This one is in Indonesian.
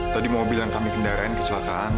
tadi mobil yang kami kendaraan